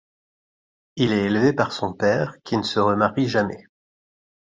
Il est élevé par son père, qui ne se remarie jamais.